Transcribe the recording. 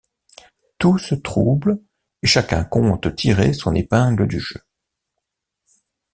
Tout se trouble et chacun compte tirer son épingle du jeu...